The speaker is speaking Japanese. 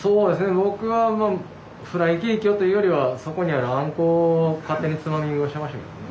僕はまあフライケーキをというよりはそこにあるあんこを勝手につまみ食いをしてましたけどね。